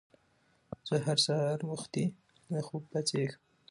زه هر سهار وختي له خوبه پاڅېږم